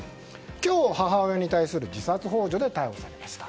今日、母親に対する自殺幇助で逮捕されました。